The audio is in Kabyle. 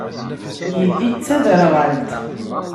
Yelli d taderɣalt.